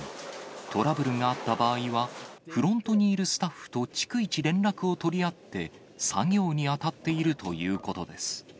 トラブルがあった場合は、フロントにいるスタッフと逐一連絡を取り合って、作業に当たっているということです。